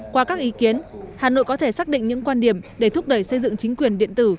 qua các ý kiến hà nội có thể xác định những quan điểm để thúc đẩy xây dựng chính quyền điện tử